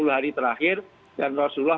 sepuluh hari terakhir dan rasulullah